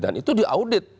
dan itu diaudit